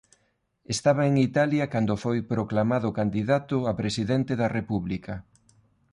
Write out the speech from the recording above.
Estaba en Italia cando foi proclamado candidato a Presidente da República.